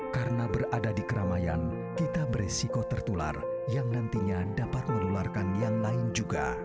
karena berada di keramaian kita beresiko tertular yang nantinya dapat menularkan yang lain juga